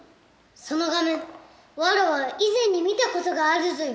その画面わらわ以前に見た事があるぞよ！